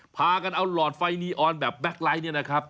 พากันเอาหลอดไฟนีออนแบบแบคไลท์